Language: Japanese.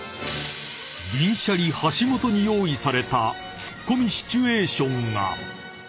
［銀シャリ橋本に用意されたツッコミシチュエーションが］